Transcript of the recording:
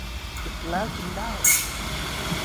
ดึกแล้วกินได้